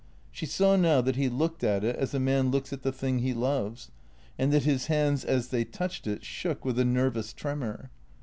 She saw now that he looked at it as a man looks at the thing he loves, and that his hands as they touched it shook with a nervous tremor.